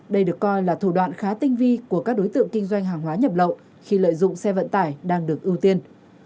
đây được coi là thủ đoạn khá tinh vi của các đối tượng kinh doanh hàng hóa nhập lậu khi lợi dụng xe vận tải đang được ưu tiên